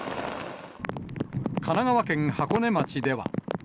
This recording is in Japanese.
神奈川県箱根町では。